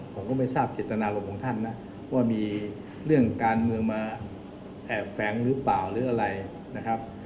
ผมก็ไม่ทราบเจตนารมณ์ของท่านนะว่ามีเรื่องการเมืองมาแอบแฝงหรือเปล่าหรืออะไรนะครับ